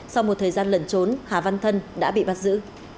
sau một thời gian lẩn trốn hà văn thân đã bị bắt giữ